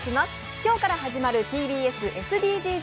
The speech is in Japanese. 今日から始まるＴＢＳＳＤＧｓ